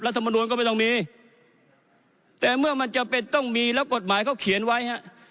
มนุนก็ไม่ต้องมีแต่เมื่อมันจำเป็นต้องมีแล้วกฎหมายเขาเขียนไว้ฮะ